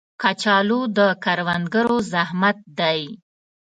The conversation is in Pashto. کچالو د کروندګرو زحمت دی